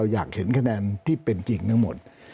อยากเห็นคะแนนที่เป็นจริงทั้งหมด